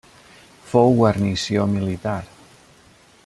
Fou guarnició militar.